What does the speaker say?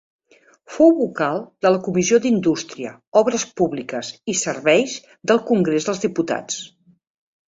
Fou vocal de la Comissió d'Indústria, Obres Publiques i Serveis del Congrés dels Diputats.